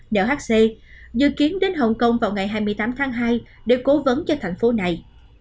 nhc dự kiến đến hồng kông vào ngày hai mươi tám tháng hai để cố vấn cho thành phố này